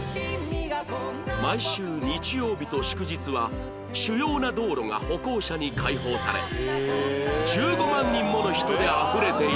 毎週日曜日と祝日は主要な道路が歩行者に開放され１５万人もの人であふれていたという